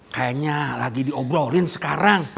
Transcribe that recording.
kayaknya lagi diobrolin sekarang